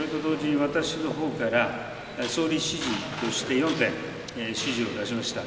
そしてそれと同時に私のほうから総理支持として４点指示を出しました。